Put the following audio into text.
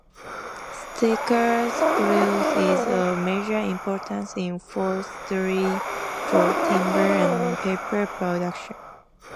Sitka spruce is of major importance in forestry for timber and paper production.